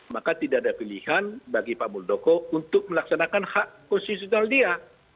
maka tidak ada pilihan bagi pak muldoko untuk melaksanakan hak konstitusional dia